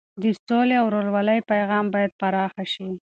د سولې او ورورولۍ پیغام باید پراخه شي.